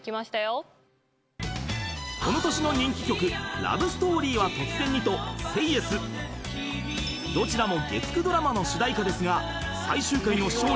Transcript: ［この年の人気曲『ラブ・ストーリーは突然に』と『ＳＡＹＹＥＳ』どちらも月９ドラマの主題歌ですが］